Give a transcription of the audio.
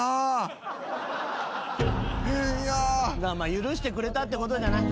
許してくれたってことじゃない？